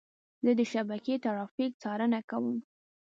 زه د شبکې ترافیک څارنه کوم.